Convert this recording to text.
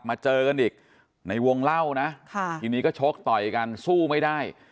เจอกันอีกในวงเล่านะทีนี้ก็ชกต่อยกันสู้ไม่ได้